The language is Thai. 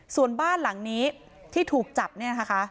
ส่วนบ้านหลังนี้ที่ถูกจับเนี่ยนะคะ